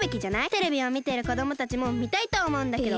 テレビをみてるこどもたちもみたいとおもうんだけど。